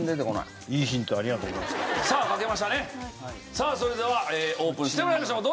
さあそれではオープンしてもらいましょう！